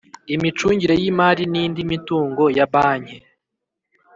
imicungire y imari n indi mitungo ya banke